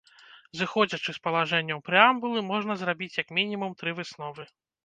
Зыходзячы з палажэнняў прэамбулы, можна зрабіць як мінімум тры высновы.